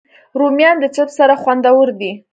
رومیان د چپس سره خوندور دي